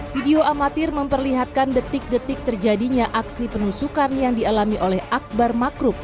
video amatir memperlihatkan detik detik terjadinya aksi penusukan yang dialami oleh akbar makrob